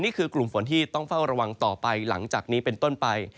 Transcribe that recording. นี่คือกลุ่มฝนที่ต้องเฝ้าระวังต่อไปหลังจากนี้เป็นต้นไป